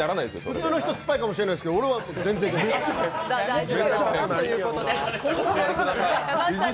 普通の人、酸っぱいかもしれないけど、俺は大丈夫。